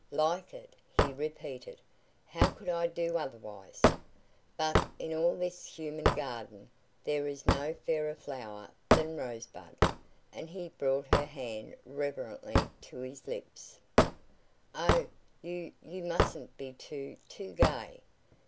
"Like it?" he repeated. "How could I do otherwise? But in all this human garden there is no fairer flower than Rosebud," and he brought her hand reverently to his lips. "Oh! You you mustn't be too too gay!"